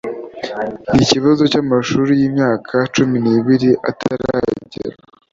n ikibazo cy amashuri y imyaka cumi n ibiri ataragera